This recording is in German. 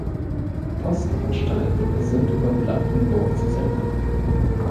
Postanstalten sind über Blankenburg zu senden.